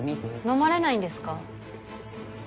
飲まれないんですか？